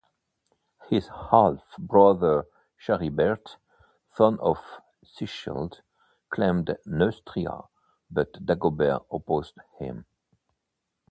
His half-brother Charibert, son of Sichilde, claimed Neustria but Dagobert opposed him.